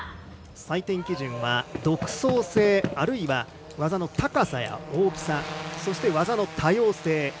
採点基準は独創性あるいは技の高さや大きさそして、技の多様性